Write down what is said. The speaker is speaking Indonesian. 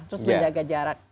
terus menjaga jarak